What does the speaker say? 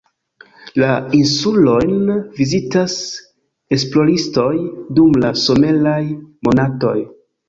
La insulojn vizitas esploristoj, dum la someraj monatoj.